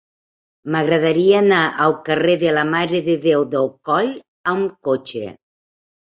M'agradaria anar al carrer de la Mare de Déu del Coll amb cotxe.